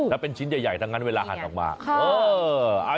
แล้วเป็นชิ้นใหญ่ทั้งนั้นเวลาหั่นออกมา